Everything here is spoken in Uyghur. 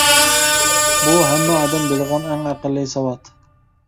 بۇ، ھەممە ئادەم بىلىدىغان ئەڭ ئەقەللىي ساۋات.